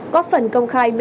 có phần công khai minh bạch